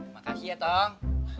makasih ya tong